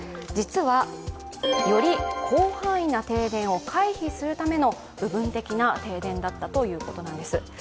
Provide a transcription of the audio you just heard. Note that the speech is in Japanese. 実は、より広範囲な停電を回避するための部分的な停電だったということです。